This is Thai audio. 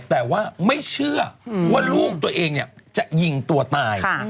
แต่ว่าไม่เชื่อว่าลูกตัวเองจะยิงตัวตาย